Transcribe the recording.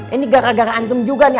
ini gara gara antum juga nih